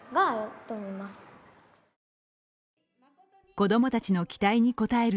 子供たちの期待に応える